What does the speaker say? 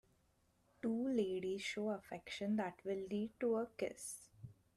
Two ladies show affection that will lead to a kiss.